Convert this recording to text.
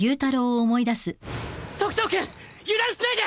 時透君油断しないで！